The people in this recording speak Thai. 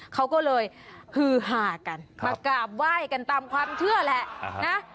เขาก็เลยฮือหากันมากราบไหว้กันตามความเชื่อแหละนะ